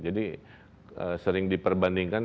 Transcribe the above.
jadi sering diperbandingkan